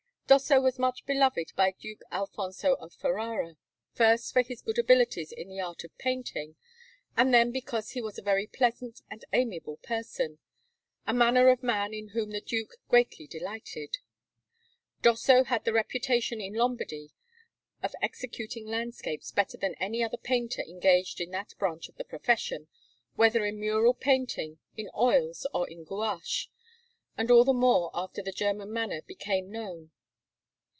Dosso was much beloved by Duke Alfonso of Ferrara: first for his good abilities in the art of painting, and then because he was a very pleasant and amiable person a manner of man in whom the Duke greatly delighted. Dosso had the reputation in Lombardy of executing landscapes better than any other painter engaged in that branch of the profession, whether in mural painting, in oils, or in gouache; and all the more after the German manner became known.